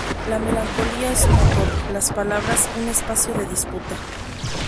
La melancolía es su motor; las palabras, un espacio de disputa.